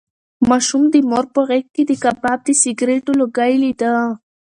ماشوم د مور په غېږ کې د کباب د سګرټو لوګی لیده.